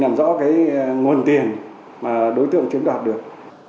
làm rõ cái nguồn tiền mà đối tượng chiếm đoạt được